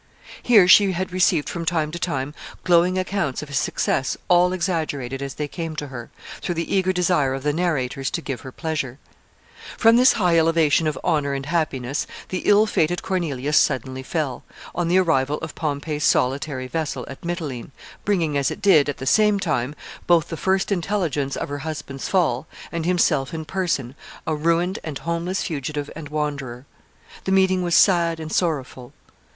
Here she had received from time to time glowing accounts of his success all exaggerated as they came to her, through the eager desire of the narrators to give her pleasure. [Sidenote: Pompey's arrival at Mitylene.] [Sidenote: His meeting with Cornelia.] From this high elevation of honor and happiness the ill fated Cornelia suddenly fell, on the arrival of Pompey's solitary vessel at Mitylene, bringing as it did, at the same time, both the first intelligence of her husband's fall, and himself in person, a ruined and homeless fugitive and wanderer. The meeting was sad and sorrowful.